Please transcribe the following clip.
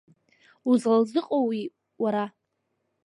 Узлалзыҟоуи уара?